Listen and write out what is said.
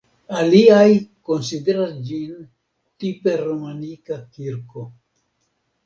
Aliaj konsideras ĝin tipe romanika kirko.